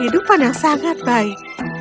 hidupan yang sangat baik